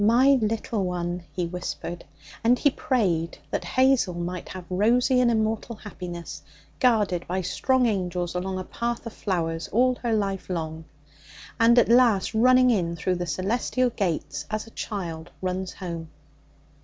my little one!' he whispered. And he prayed that Hazel might have rosy and immortal happiness, guarded by strong angels along a path of flowers all her life long, and at last running in through the celestial gates as a child runs home.